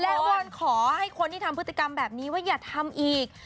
และวอนขอให้คนที่ทำพฤติกรรมแบบนี้ว่าอย่าทำอีก